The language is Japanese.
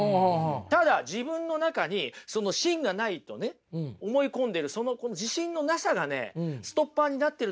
ただ自分の中にその芯がないとね思い込んでるその自信のなさがねストッパーになってるだけだと思うんですよね。